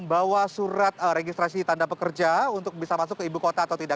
bawa surat registrasi tanda pekerja untuk bisa masuk ke ibu kota atau tidak